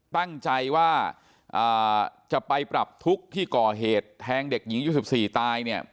ตั้งใจว่าจะไปปรับทุกข์ที่ก่อเหตุแทงเด็กหญิงยุค๑๔ตายเนี่ย